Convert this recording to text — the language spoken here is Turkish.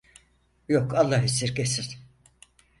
Yok, Allah esirgesin.